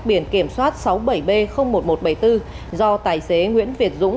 biển kiểm soát sáu mươi bảy b một nghìn một trăm bảy mươi bốn do tài xế nguyễn việt dũng